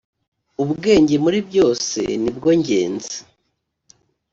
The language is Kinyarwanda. “Ubwenge muri byose ni bwo ngenzi